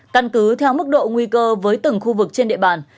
căn cứ theo mức độ nguy cơ với từng khu vực trên địa bàn